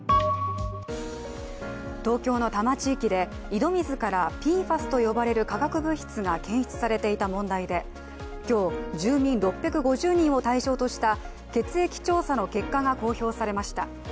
東京の多摩地域で井戸水からＰＦＡＳと呼ばれる化学物質が検出されていた問題で今日、住民６５０人を対象とした血液調査の結果が公表されました。